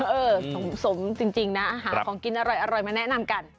เออสมจริงนะหาของกินอร่อยมาแนะนำกัน